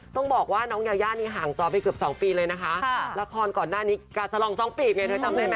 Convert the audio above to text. ต้องบอกว่าน้องยาย่านี่ห่างจรไป๒ปีเลยนะคะละครก่อนหน้านี้กาศรอง๒ปีนะไงน้อยตามได้มะ